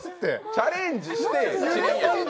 チャレンジしてぇや。